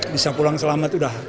bisa pulang selamat sudah